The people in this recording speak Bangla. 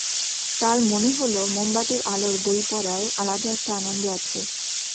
তাঁর মনে হলো, মোমবাতির আলোয় বই পড়ায় আলাদা একটা আনন্দ আছে।